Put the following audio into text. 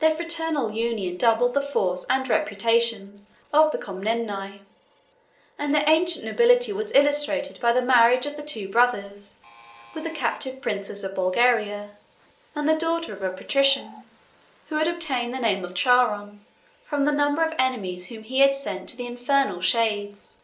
Their fraternal union doubled the force and reputation of the Comneni, and their ancient nobility was illustrated by the marriage of the two brothers, with a captive princess of Bulgaria, and the daughter of a patrician, who had obtained the name of Charon from the number of enemies whom he had sent to the infernal shades.